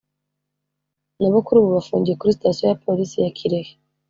na bo kuri ubu bafungiye kuri Sitasiyo ya Polisi ya Kirehe